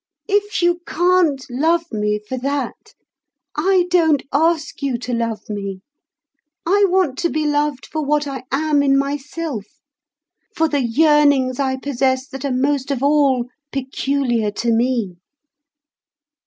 If you can't love me for that, I don't ask you to love me; I want to be loved for what I am in myself, for the yearnings I possess that are most of all peculiar to me.